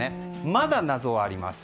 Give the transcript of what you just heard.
まだ謎はあります。